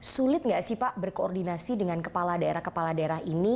sulit nggak sih pak berkoordinasi dengan kepala daerah kepala daerah ini